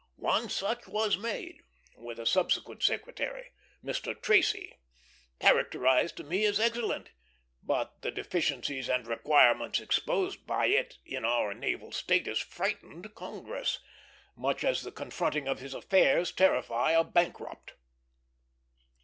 One such was made, which a subsequent secretary, Mr. Tracy, characterized to me as excellent; but the deficiencies and requirements exposed by it in our naval status frightened Congress, much as the confronting of his affairs terrify a bankrupt.